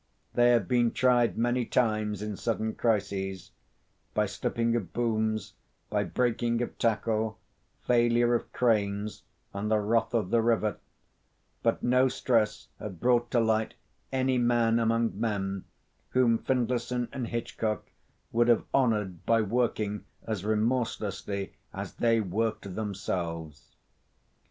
They had been tried many times in sudden crises by slipping of booms, by breaking of tackle, failure of cranes, and the wrath of the river but no stress had brought to light any man among men whom Findlayson and Hitchcock would have honoured by working as remorselessly as they worked them selves.